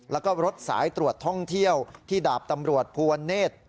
แล้วก็รถสายตรวจท่องเที่ยวที่ดาบตำรวจภูวเนธ